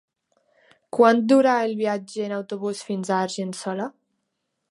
Quant dura el viatge en autobús fins a Argençola?